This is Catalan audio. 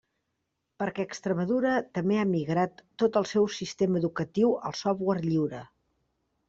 Perquè Extremadura també ha migrat tot el seu sistema educatiu al software lliure.